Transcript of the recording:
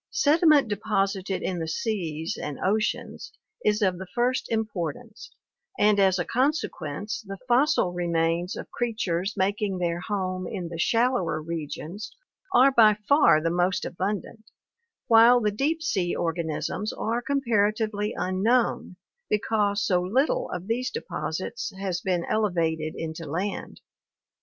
Sediment deposited in the seas and oceans is of the first im portance, and as a consequence the fossil remains of creatures making their home in the shallower regions are by far the most abundant, while the deep sea organisms are comparatively un known because so little of these deposits has been elevated into land.